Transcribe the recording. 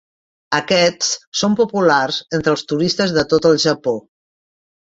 Aquests són populars entre els turistes de tot el Japó.